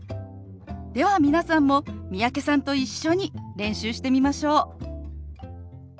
では皆さんも三宅さんと一緒に練習してみましょう！